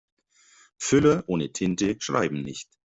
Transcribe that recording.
Füller ohne Tinte schreiben nicht.